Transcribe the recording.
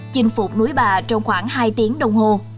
chinh phục núi bà trong khoảng hai tiếng đồng hồ